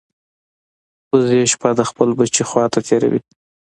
وزې شپه د خپل بچي خوا ته تېروي